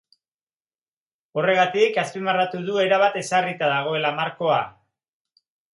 Horregatik, azpimarratu du erabat ezarrita dagoela markoa.